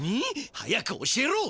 早く教えろ。